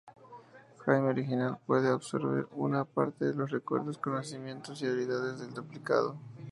Jamie "original" puede absorber una parte de los recuerdos, conocimientos y habilidades del duplicado.